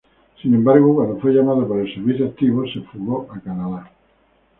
Sin embargo, cuando fue llamado para el servicio activo, se fugó a Canadá.